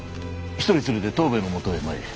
１人連れて藤兵衛のもとへ参れ。